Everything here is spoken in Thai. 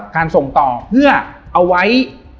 การส่งต่อเพื่อเอาไว้